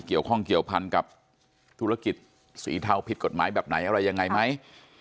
เกี่ยวข้องเกี่ยวพันกับธุรกิจสีเทาผิดกฎหมายแบบไหนอะไรยังไงไหม